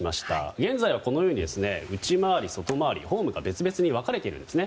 現在は、このように内回り、外回りとホームが別々に分かれているんですね。